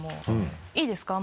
いいですか？